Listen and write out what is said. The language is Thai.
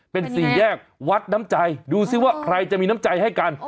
เป็นสี่แยกวัดน้ำใจดูสิว่าใครจะมีน้ำใจให้กัน